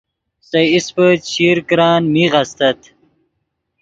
سے ایسپے چشیر کرن میغ استت